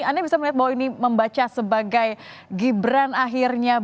anda bisa melihat bahwa ini membaca sebagai gibran akhirnya